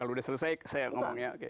kalau sudah selesai saya ngomong ya